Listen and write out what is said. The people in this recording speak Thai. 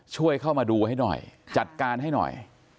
ช่วยเข้ามาดูให้หน่อยจัดการให้หน่อย